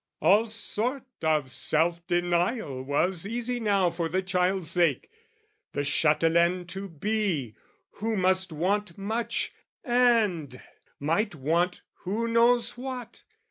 All sort of self denial was easy now For the child's sake, the chatelaine to be, Who must want much and might want who knows what?